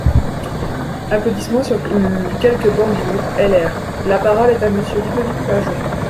(Applaudissements sur quelques bancs du groupe LR.) La parole est à Monsieur Ludovic Pajot.